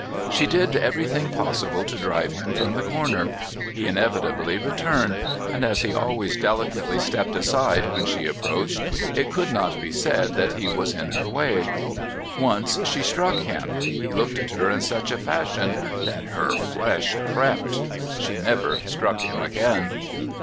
She did everything possible to drive him from the corner; he inevitably returned, and as he always delicately stepped aside when she approached, it could not be said that he was in her way. Once she struck him; he looked at her in such a fashion that "her flesh crept."... She never struck him again.